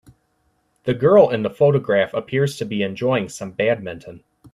The girl in the photograph appears to be enjoying some badminton.